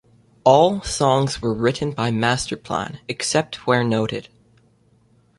All songs were written by Masterplan, except where noted.